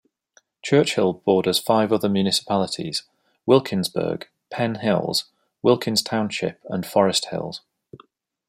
Churchill borders five other municipalities: Wilkinsburg, Penn Hills, Wilkins Township and Forest Hills.